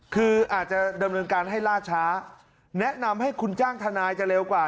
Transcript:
คืออาจจะดำเนินการให้ล่าช้าแนะนำให้คุณจ้างทนายจะเร็วกว่า